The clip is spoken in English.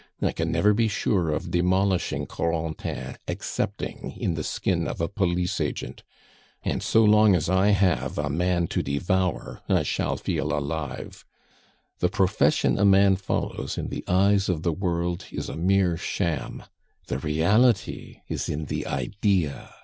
I can never be sure of demolishing Corentin excepting in the skin of a police agent. And so long as I have a man to devour, I shall still feel alive. The profession a man follows in the eyes of the world is a mere sham; the reality is in the idea!"